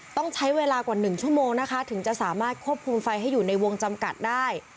ต้องใช้เวลากว่า๑ชั่วโมงนะคะถึงจะสามารถควบคุมไฟให้อยู่ในวงจำกัดได้